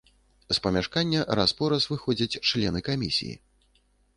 З памяшкання раз-пораз выходзяць члены камісіі.